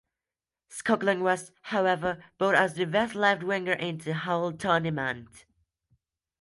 Skoglund was, however, voted as the best left winger in the whole tournament.